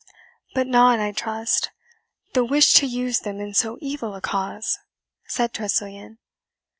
"But not, I trust, the wish to use them in so evil a cause?" said Tressilian.